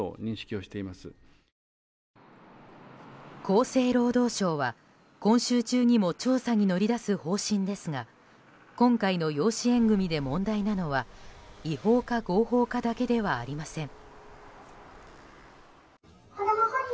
厚生労働省は、今週中にも調査に乗り出す方針ですが今回の養子縁組で問題なのは違法か合法かだけではありません。